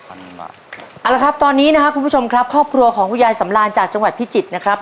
เอาละครับตอนนี้นะครับคุณผู้ชมครับครอบครัวของคุณยายสำราญจากจังหวัดพิจิตรนะครับ